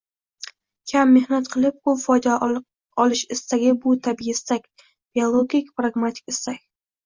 – kam mehnat qilib ko‘p foyda qilish istagi bu – tabiiy istak, biologik pragmatik istak.